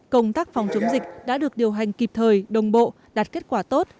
công tác phòng chống dịch đã được điều hành kịp thời đồng bộ đạt kết quả tốt